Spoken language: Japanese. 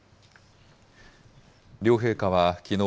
両陛下はきのう、